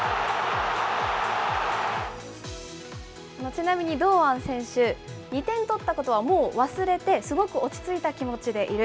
ちなみに堂安選手、２点取ったことはもう忘れて、すごく落ち着いた気持ちでいる。